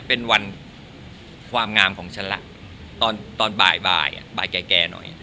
เป็นวันความงามของฉันล่ะตอนตอนบ่ายบ่ายอ่ะบ่ายแก่แก่หน่อย